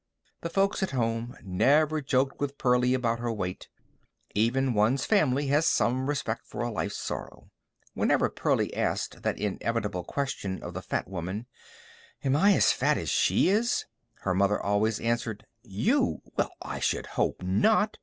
The folks at home never joked with Pearlie about her weight. Even one's family has some respect for a life sorrow. Whenever Pearlie asked that inevitable question of the fat woman: "Am I as fat as she is?" her mother always answered: "You! Well, I should hope not!